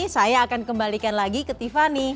saya akan kembalikan lagi ke tiffany